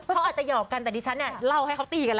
เขาอาจจะหยอกกันแต่นี่ฉันเล่าให้เขาตีกันละ